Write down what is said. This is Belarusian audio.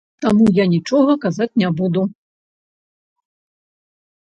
Таму я нічога казаць не буду.